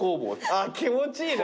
あぁ気持ちいいな。